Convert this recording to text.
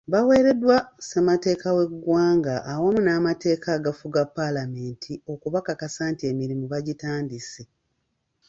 Baweereddwa Ssemateeka w’eggwanga awamu n’amateeka agafuga Paalamenti okubakakasa nti emirimu bagitandise.